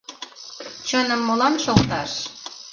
— Чыным молан шылташ!..